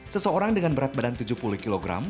seseorang dengan berat badan tujuh puluh kg